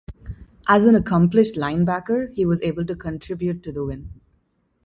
As an accomplished linebacker, he was able to contribute to the win.